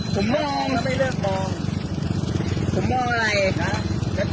ผมมองผมมองอะไร